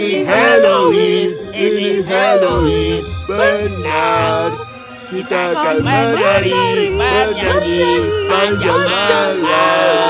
ini halloween ini halloween benar kita akan menari menari sepanjang malam